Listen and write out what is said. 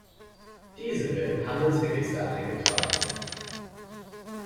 Diese wird im Handelsregister eingetragen.